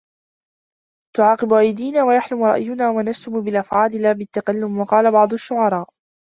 تُعَاقِبُ أَيْدِينَا وَيَحْلُمُ رَأْيُنَا وَنَشْتُمُ بِالْأَفْعَالِ لَا بِالتَّكَلُّمِ وَقَالَ بَعْضُ الشُّعَرَاءِ